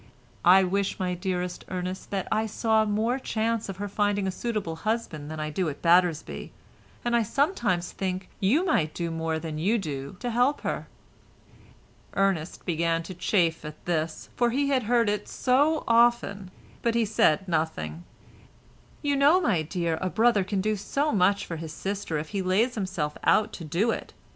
I wish, my dearest Ernest, that I saw more chance of her finding a suitable husband than I do at Battersby, and I sometimes think you might do more than you do to help her." Ernest began to chafe at this, for he had heard it so often, but he said nothing. "You know, my dear, a brother can do so much for his sister if he lays himself out to do it.